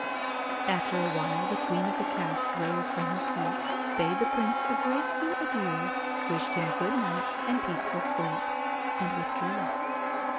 After a while the Queen of the Cats rose from her seat, bade the Prince a graceful adieu, wished him a good night and peaceful sleep, and with drew.